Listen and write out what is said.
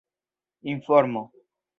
informo